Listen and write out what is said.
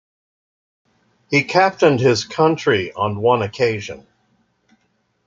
He captained his country on one occasion.